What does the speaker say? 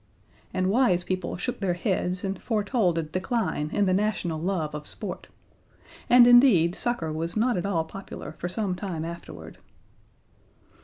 And wise people shook their heads and foretold a decline in the National Love of Sport. And, indeed, soccer was not at all popular for some time afterward.